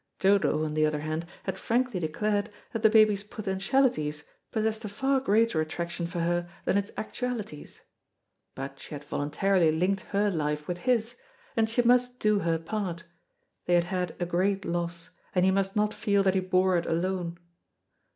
Dodo, on the other hand, had frankly declared that the baby's potentialities possessed a far greater attraction, for her than its actualities. But she had voluntarily linked her life with his; and she must do her part they had had a great loss, and he must not feel that he bore it alone.